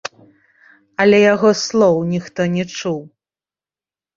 Але яго слоў ніхто не чуў.